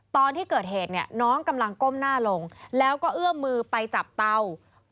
ตอนที่เกิดเหตุเนี่ยน้องกำลังก้มหน้าลงแล้วก็เอื้อมมือไปจับเตา